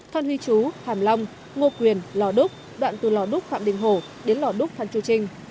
phan huy chú hàm long ngô quyền lò đúc đoạn từ lò đúc phạm đình hổ đến lò đúc phan chu trinh